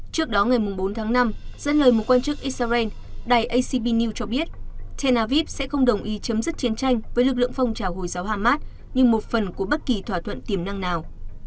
trước đó ngày bốn tháng năm dẫn lời một quan chức israel đài acb news cho biết tel aviv sẽ không đồng ý chấm dứt chiến tranh với lực lượng phong trào hồi giáo hamas nhưng một phần của bất kỳ thỏa thuận tiềm năng nào